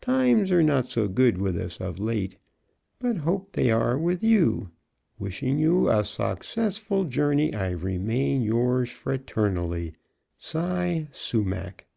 Times are not so good with us of late but hope they air with you wishing you a socksessfull jurny I remane Yours fraternally CY SUMAC.